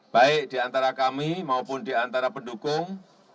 baik diantara kami maupun diantara pendukung